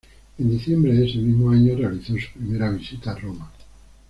En diciembre de ese mismo año realizó su primera visita a Roma.